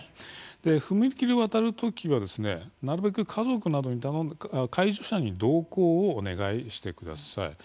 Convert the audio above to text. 踏切を渡るときは、なるべく家族など介助者に同行をお願いしてください。